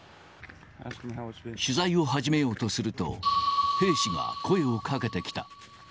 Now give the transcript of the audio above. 取材を始めようとすると、兵士が声をかけてきた。